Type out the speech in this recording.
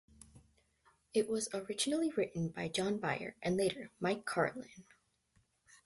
It was originally written by John Byrne and later, Mike Carlin.